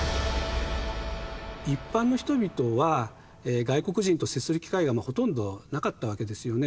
一般の人々は外国人と接する機会がほとんどなかったわけですよね。